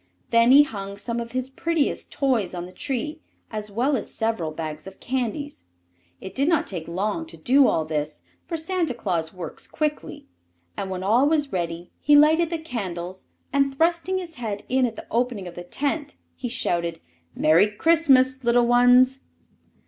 Then he hung some of his prettiest toys on the tree, as well as several bags of candies. It did not take long to do all this, for Santa Claus works quickly, and when all was ready he lighted the candles and, thrusting his head in at the opening of the tent, he shouted: "Merry Christmas, little ones!"